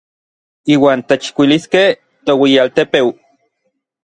Iuan techkuiliskej toueyialtepeu.